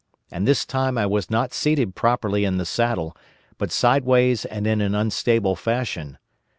And this time I was not seated properly in the saddle, but sideways and in an unstable fashion.